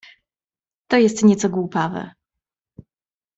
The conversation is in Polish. — To jest nieco głupawe.